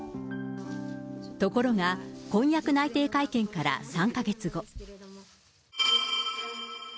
ところが婚約内定会見から３か月後。